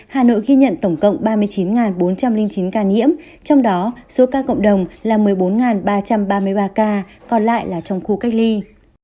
hà nội ghi nhận tổng cộng ba mươi chín bốn trăm linh chín ca nhiễm trong đó số ca cộng đồng là một mươi bốn ba trăm ba mươi ba ca còn lại là trong khu cách ly